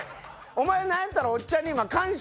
お前何やったらおっちゃんに今感謝して。